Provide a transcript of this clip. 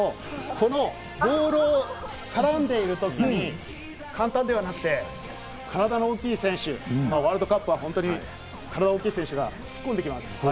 このボールをボールに絡んでいるときに簡単ではなくて、体の大きい選手、ワールドカップは体が大きい選手が突っ込んできます。